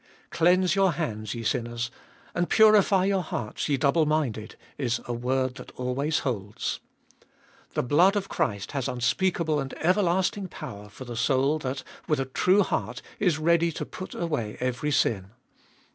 Cleanse your hands, ye sinners, and purify your hearts, ye double minded — is a word that always holds. The blood of Christ has unspeakable and everlasting power for the soul that, with a true heart, is ready to put away every sin.